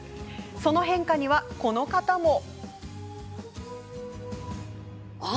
その変化には、この人も。